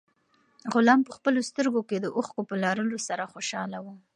غلام په خپلو سترګو کې د اوښکو په لرلو سره خوشاله و.